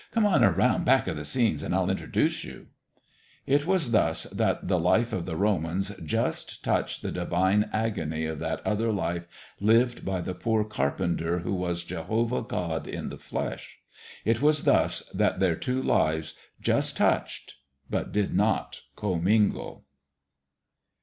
"Come on around back of the scenes and I'll introduce you." It was thus that the life of the Romans just touched the divine agony of that other life lived by the poor carpenter who was Jehovah God in the flesh; it was thus that their two lives just touched but did not commingle.